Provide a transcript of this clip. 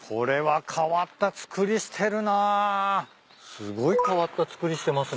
すごい変わった造りしてますね。